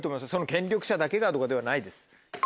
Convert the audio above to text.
権力者だけがとかではないです。